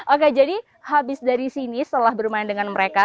oke jadi habis dari sini setelah bermain dengan mereka